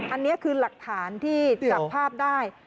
อันนี้คือหลักฐานที่จับภาพได้